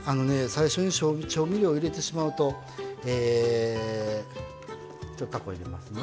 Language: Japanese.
最初に調味料を入れてしまうとえちょっとたこ入れますね。